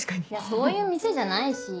そういう店じゃないし。